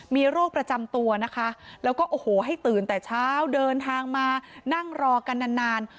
มีโรคประจำตัวนะคะแล้วก็โอ้โหให้ตื่นแต่เช้าเดินทางมานั่งรอกันนานนาน